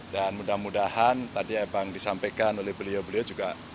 dan mudah mudahan tadi ebang disampaikan oleh beliau beliau juga